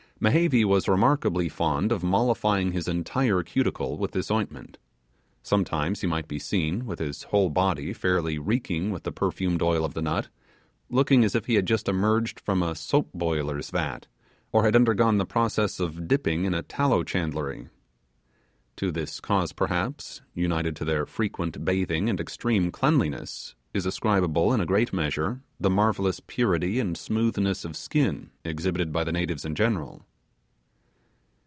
Mehevi was remarkable fond of mollifying his entire cuticle with this ointment. Sometimes he might be seen, with his whole body fairly reeking with the perfumed oil of the nut, looking as if he had just emerged from a soap boiler's vat, or had undergone the process of dipping in a tallow chandlery. To this cause perhaps, united to their frequent bathing and extreme cleanliness, is ascribable, in a great measure, the marvellous purity and smoothness of skin exhibited by the natives in general.